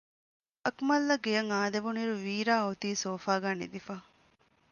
އަކުމަލްއަށް ގެއަށް އާދެވުނުއިރު ވީރާ އޮތީ ސޯފާގައި ނިދިފަ